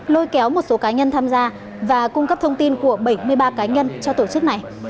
lôi kéo một số cá nhân tham gia và cung cấp thông tin của bảy mươi ba cá nhân cho tổ chức này